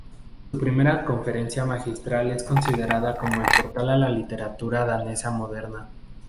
Su primera conferencia magistral es considerada como el portal a la literatura danesa moderna.